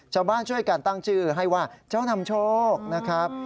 ชาวบ้านช่วยกันตั้งชื่อให้ว่าเจ้านำโชคนะครับ